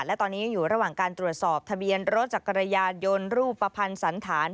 และตอนนี้อยู่ระหว่างการตรวจสอบทะเบียนรถจักรยานยนต์รูปภัณฑ์สันฐาน